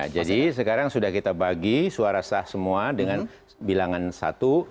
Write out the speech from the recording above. jadi sekarang sudah kita bagi suara sah semua dengan bilangan satu bilangan tiga dan bilangan lima